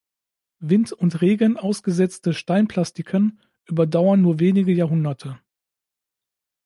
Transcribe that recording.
Wind und Regen ausgesetzte Steinplastiken überdauern nur wenige Jahrhunderte.